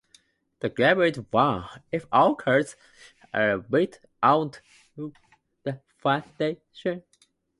The game is won if all cards are built onto the foundations.